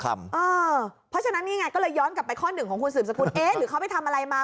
เพราะฉะนั้นนี่ไงก็เลยย้อนกลับไปข้อหนึ่งของคุณสืบสกุลเอ๊ะหรือเขาไปทำอะไรมา